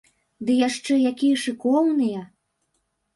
Ды яшчэ якія шыкоўныя!